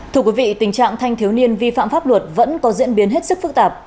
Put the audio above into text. thưa quý vị tình trạng thanh thiếu niên vi phạm pháp luật vẫn có diễn biến hết sức phức tạp